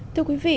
thưa quý vị